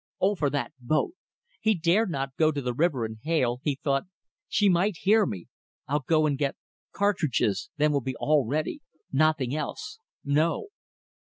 Oh, for that boat! ... He dared not go to the river and hail. He thought: She might hear me. ... I'll go and get ... cartridges ... then will be all ready ... nothing else. No.